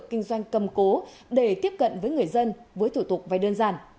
kinh doanh cầm cố để tiếp cận với người dân với thủ tục vay đơn giản